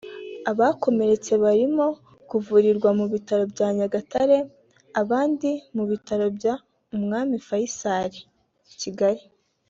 Abakomeretse barimo kuvurirwa mu bitaro bya Nyagatare abandi mu bitaro bw’umwami Faisal i Kigali